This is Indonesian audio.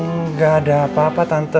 nggak ada apa apa tante